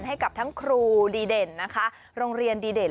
ให้กับทั้งครูดีเด่นนะคะโรงเรียนดีเด่น